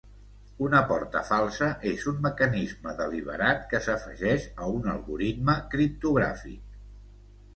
Una porta falsa és un mecanisme deliberat que s'afegeix a un algoritme criptogràfic.